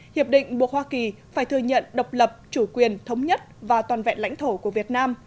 hiệp định buộc hoa kỳ phải thừa nhận độc lập chủ quyền thống nhất và toàn vẹn lãnh thổ của việt nam